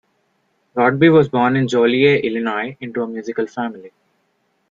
Rodby was born in Joliet, Illinois, into a musical family.